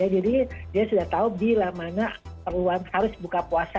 jadi dia sudah tahu bila mana perlu harus buka puasa